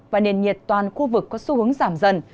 và nền nhiệt toàn khu vực có xu hướng giảm dần